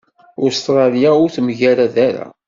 Ustṛalya ur temgarad ara.